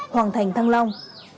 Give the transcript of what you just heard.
hoàng thành thăng long